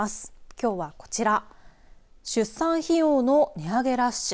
きょうはこちら出産費用の値上げラッシュ